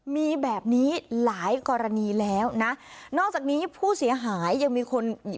มีแบบนี้หลายกรณีแล้วนะนอกจากนี้ผู้เสียหายยังมีคน